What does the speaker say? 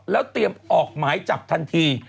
แล้วเตรียมออกหมายจับทันที